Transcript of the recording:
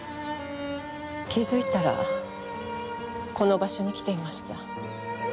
気づいたらこの場所に来ていました。